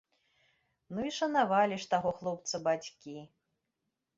Ну і шанавалі ж таго хлопца бацькі.